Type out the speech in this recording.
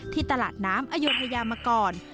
ที่ตลาดน้ำอโยธยามาก่อน